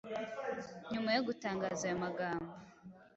Nyuma yo gutangaza ayo magambo,